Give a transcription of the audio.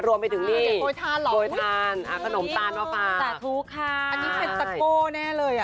รวมไปถึงนี่โดยทานขนมตาลมาฝ่ากับสะทูค่ะนี่คือเห็นตะโกแน่เลย